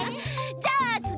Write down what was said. じゃあつぎ！